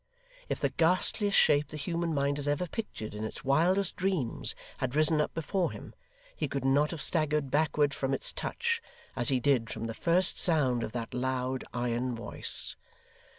If the ghastliest shape the human mind has ever pictured in its wildest dreams had risen up before him, he could not have staggered backward from its touch, as he did from the first sound of that loud iron voice.